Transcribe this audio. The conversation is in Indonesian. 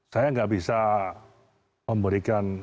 saya nggak bisa memberikan